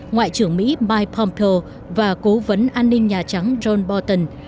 ngoại trưởng mỹ mike pompeo và cố vấn an ninh nhà trắng john bolton